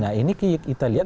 nah ini kita lihat